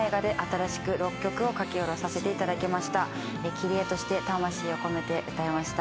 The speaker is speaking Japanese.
キリエとして魂を込めて歌いました。